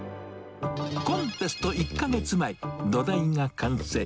コンテスト１か月前、土台が完成。